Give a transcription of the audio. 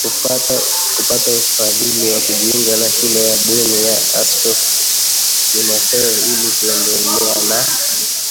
kupata ufadhili wa kujiunga na shule ya bweni ya Askofu Timotheo ili kuendelea na